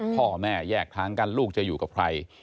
พ่อแม่แยกทางกันลูกจะอยู่กับใคร